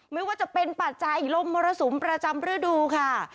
ไม่ว่าจะเป็นปัจจัยลมมรสุมประจำฤดูค่ะ